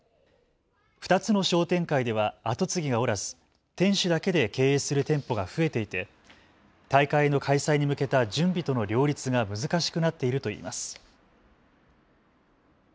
２つの商店会では後継ぎがおらず店主だけで経営する店舗が増えていて大会の開催に向けた準備との両立が難しくなっているといいます。